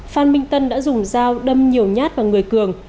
phan minh tân đã dùng dao đâm nhiều nhát vào người cường